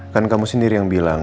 kan kamu sendiri yang bilang